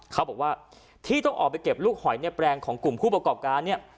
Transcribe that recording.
เขาบอกว่าที่ต้องออกไปเก็บลูกหอยในแปลงของกลุ่มผู้ประกอบการเนี่ย